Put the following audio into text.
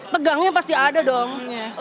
tegangnya pasti ada dong